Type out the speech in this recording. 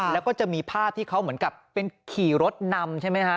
แล้วก็จะมีภาพที่เขาเหมือนกับเป็นขี่รถนำใช่ไหมฮะ